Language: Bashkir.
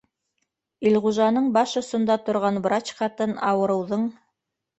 Илғужаның баш осонда торған врач ҡатын, ауырыуҙың